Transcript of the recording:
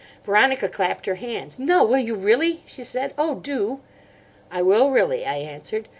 Veronica clapped her hands. "No, will you really?" she said. "Oh, do." "I will really," I answered.